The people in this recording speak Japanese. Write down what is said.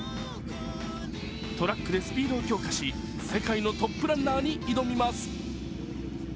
トラックでスピードを強化し、世界のトップランナーに挑みます。